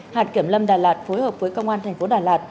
hạt kiểm lâm đà lạt phối hợp với công an thành phố đà lạt